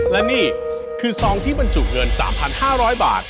และนี่คือซองที่บรรจุเงิน๓๕๐๐บาท